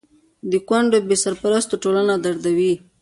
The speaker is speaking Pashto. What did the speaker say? د کونډو بې سرپرستي ټولنه دردوي.